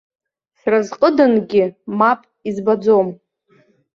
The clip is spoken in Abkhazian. Сразҟыдангьы, мап, избаӡом!